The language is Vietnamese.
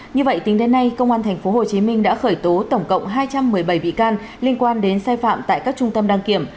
như vậy tính đến nay công an tp hcm đã khởi tố tổng cộng hai trăm một mươi bảy bị can liên quan đến sai phạm tại các trung tâm đăng kiểm